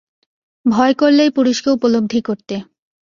ভয় করলেই পুরুষকে উপলব্ধি করতে।